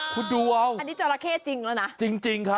คุณดูเอาอันนี้จราเข้จริงแล้วนะจริงครับ